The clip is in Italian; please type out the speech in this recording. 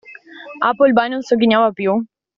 Appleby non sogghignava più.